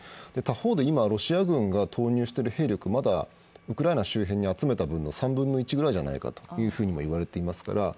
他方で今、ロシア軍が投入している兵力、ウクライナ周辺に集めた３分の１くらいではないかといわれています。